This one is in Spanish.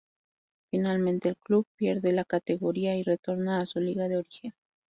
Finalmente, el club pierde la categoría y retorna a su liga de origen.